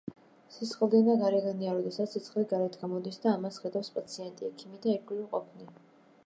სისხლდენა გარეგანია როდესაც სისხლი გარეთ გამოდის და ამას ხედავენ პაციენტი, ექიმი და ირგვლივ მყოფნი.